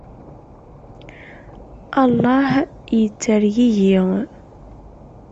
Allah yettergigi!